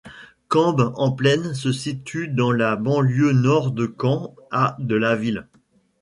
Cambes-en-Plaine se situe dans la banlieue nord de Caen à de la ville.